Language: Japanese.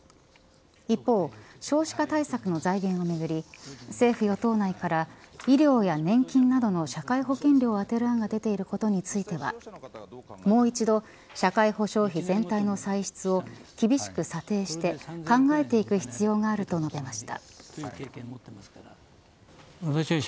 一方、少子化対策の財源をめぐり政府与党内から医療や年金などの社会保険料を充てる案が出ていることについてはもう一度社会保障費全体の歳出を厳しく査定して考えていく必要があると述べました。